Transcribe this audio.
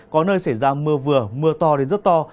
có nơi xảy ra mưa vừa mưa to đến rất to